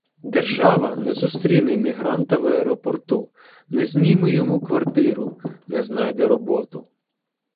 «Держава» не зустріне іммігранта в аеропорту, не зніме йому квартиру, не знайде роботу